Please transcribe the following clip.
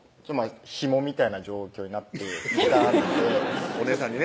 ヒモみたいな状況になっていたのでお姉さんにね